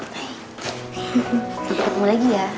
sampai ketemu lagi ya